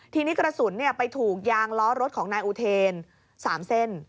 ทีนี้กระสุนไปถูกยางล้อรถของนายอุเทน๓เส้น